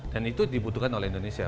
dan itu dibutuhkan oleh indonesia